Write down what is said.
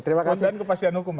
dan kepastian hukum